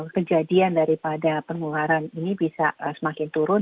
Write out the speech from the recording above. kejadian daripada penularan ini bisa semakin turun